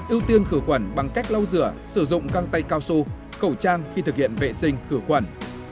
hai ưu tiên khử khuẩn bằng cách lau rửa sử dụng căng tay cao su cầu trang khi thực hiện vệ sinh khử khuẩn